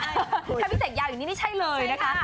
ถ้าพี่เสกยาวอย่างนี้นี่ใช่เลยนะคะ